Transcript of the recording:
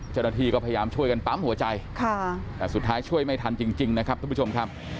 เจ้าหน้าที่ก็พยายามช่วยกันปั๊มหัวใจแต่สุดท้ายช่วยไม่ทันจริงนะครับทุกผู้ชมครับ